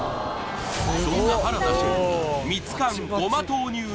そんな原田シェフがに